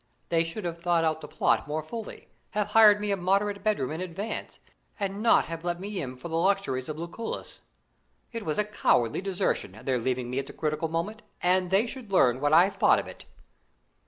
They should have thought out the plot more fully; have hired me a moderate bedroom in advance, and not have let me in for the luxuries of Lucullus. It was a cowardly desertion, their leaving me at the critical moment, and they should learn what I thought of it.